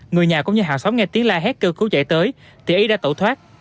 người nhà cũng như hàng xóm nghe tiếng la hét cơ cứu chạy tới thì ý đã tẩu thoát